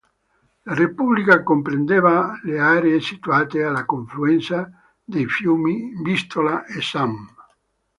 La repubblica comprendeva le aree situate alla confluenza dei fiumi Vistola e San.